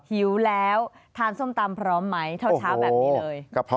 หิวแล้วทานส้มตำพร้อมไหมเช้าแบบนี้เลย